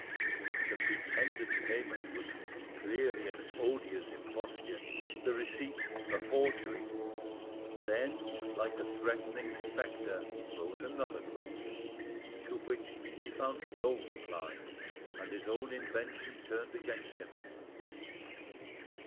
The pretended payment was clearly an odious imposture, the receipt a forgery! Then, like a threatening spectre, arose another question, to which he found no reply, and his own invention turned against him.